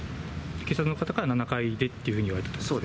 警察の方から７階でというふうに言われたということですか。